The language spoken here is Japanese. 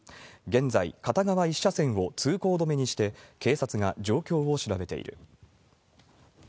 現在、片側１車線を通行止めにして警察が状況を調べている。